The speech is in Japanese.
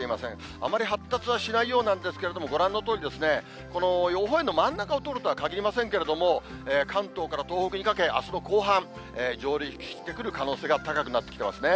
あまり発達はしないようなんですけれども、ご覧のとおり、この予報円の真ん中を通るとはかぎりませんけれども、関東から東北にかけ、あすの後半、上陸してくる可能性が高くなってきてますね。